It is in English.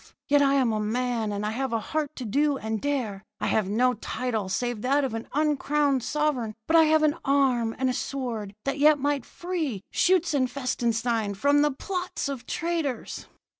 Yet I am a man, and I have a heart to do and dare. I have no title save that of an uncrowned sovereign; but I have an arm and a sword that yet might free Schutzenfestenstein from the plots of traitors.'